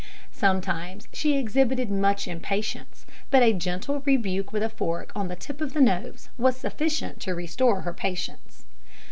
Sometimes she exhibited much impatience; but a gentle rebuke with a fork on the tip of the nose was sufficient to restore her patience.